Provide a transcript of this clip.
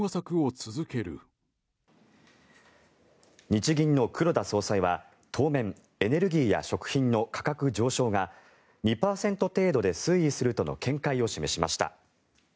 日銀の黒田総裁は当面、エネルギーや食品の価格上昇が２％程度で推移するとの見解を示しました。